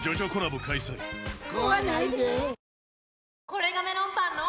これがメロンパンの！